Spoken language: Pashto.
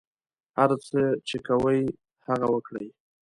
هر څه چې کوئ هغه وکړئ.